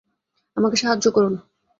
আমাদের সাহায্য করুন!